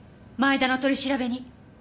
前田の取り調べに。